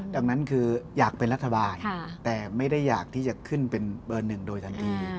ดังนั้นคืออยากเป็นรัฐบาลแต่ไม่ได้อยากที่จะขึ้นเป็นเบอร์หนึ่งโดยทันที